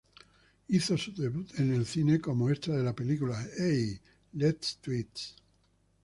Hizo su debut en el cine como extra en la película "Hey, Let's Twist!